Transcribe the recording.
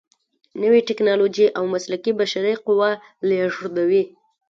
نوې ټیکنالوجې او مسلکي بشري قوه لیږدوي.